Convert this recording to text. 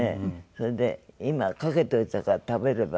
それで「今掛けといたから食べれば？」